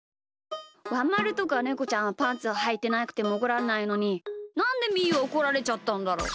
ワンまるとかネコちゃんはパンツをはいてなくてもおこられないのになんでみーはおこられちゃったんだろう？